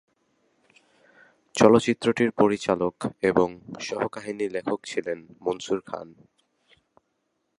চলচ্চিত্রটির পরিচালক এবং সহ কাহিনী লেখক ছিলেন মনসুর খান।